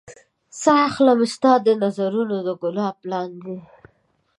ساه اخلم ستا د نظرونو د ګلاب لاندې